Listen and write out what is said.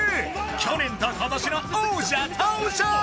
去年と今年の王者登場